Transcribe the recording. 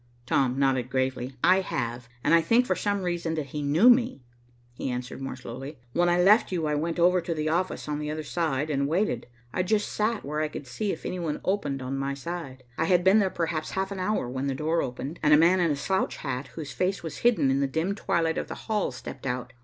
Tom nodded gravely. "I have, and I think for some reason that he knew me," he answered more slowly. "When I left you I went over to the office on the other side and waited. I sat just where I could see if any one opened on my side. I had been there perhaps half an hour when the door opened, and a man in a slouch hat, whose face was hidden in the dim twilight of the hall, stepped out.